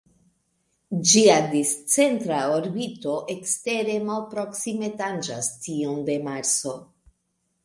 Ĝia discentra orbito ekstere malproksime tanĝas tiun de Marso.